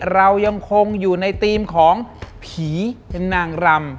เรายังคงอยู่ในธีมของผีนางรำ